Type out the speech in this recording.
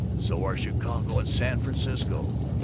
So are Chicago and San Francisco.